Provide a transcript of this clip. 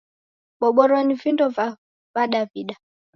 Boboro ni vindo va w'adaw'ida.